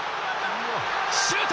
シュート！